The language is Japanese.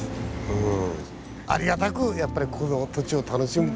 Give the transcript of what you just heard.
うん。